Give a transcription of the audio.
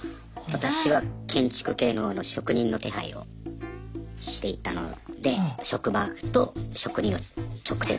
私は建築系の職人の手配をしていたので職場と職人を直接。